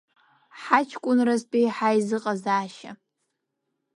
Ҳаҷкәынразтәи ҳаизыҟазаашьа…